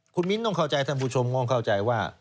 คุณมิ้นต้องเข้าใจท่านผู้ชมต้องเข้าใจว่า